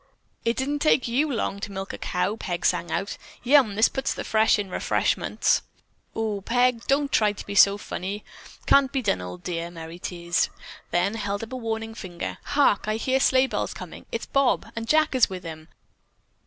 "It didn't take you long to milk a cow," Peg sang out "Yum, this puts the fresh into the refreshments." "Oh oo, Peg, don't try to be funny. Can't be done, old dear," Merry teased, then held up a warning finger. "Hark! I hear sleigh bells coming. It's Bob, and Jack is with him.